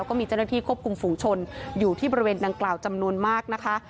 ก็มีเจ้าหน้าที่ควบคุมฝุงชนอยู่ที่บริเวณดังกล่าวจำนวนมากนะคะ